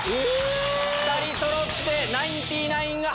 ２人そろって。